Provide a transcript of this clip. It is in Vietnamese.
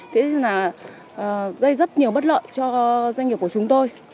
thế là gây rất nhiều bất lợi cho doanh nghiệp của chúng tôi